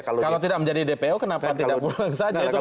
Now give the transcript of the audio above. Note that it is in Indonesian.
kalau tidak menjadi dpo kenapa tidak pulang saja